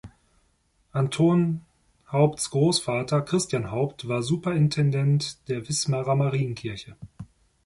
Anton Haupts Großvater, Christian Haupt, war Superintendent der Wismarer Marienkirche.